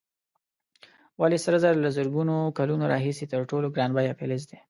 ولې سره زر له زرګونو کلونو راهیسې تر ټولو ګران بیه فلز دی؟